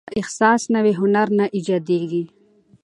که احساس نه وي، هنر نه ایجاديږي.